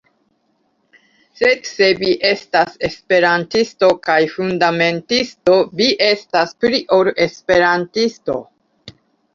Sed se vi estas Esperantisto kaj fundamentisto, vi estas pli ol Esperantisto.